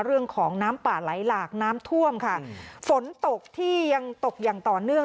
เรื่องของน้ำป่าไหลหลากน้ำท่วมค่ะฝนตกที่ยังตกอย่างต่อเนื่อง